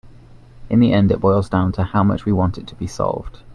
In the end it boils down to how much we want it to be solved.